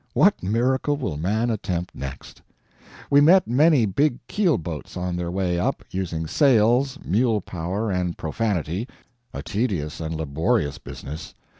What miracle will man attempt next? We met many big keel boats on their way up, using sails, mule power, and profanity a tedious and laborious business.